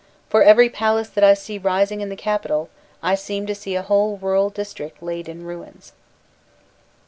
For every palace that I see rising in the capital, I seem to see a whole rural district laid in ruins.